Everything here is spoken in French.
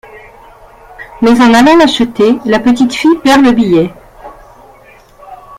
Mais en allant l'acheter, la petite fille perd le billet.